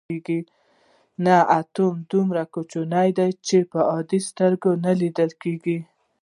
نه اتوم دومره کوچنی دی چې په عادي سترګو نه لیدل کیږي.